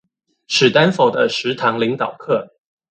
史丹佛的十堂領導課